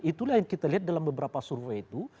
itulah yang kita lihat dalam beberapa survei itu